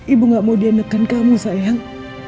ibu gak mau dianekan kamu sayang